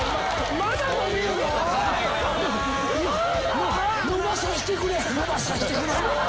まだ⁉伸ばさしてくれ！